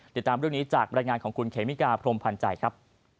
เดี๋ยวตามเรื่องนี้จากรายงานของคุณเขมิกาพรมพันธ์จ่ายครับ